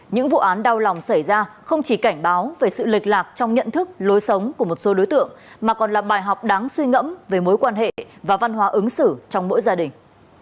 những vụ án đau lòng xảy ra không chỉ cảnh báo về sự lệch lạc trong nhận thức lối sống của một số đối tượng mà còn là bài học đáng suy ngẫm về mối quan hệ và văn hóa ứng xử trong mỗi gia đình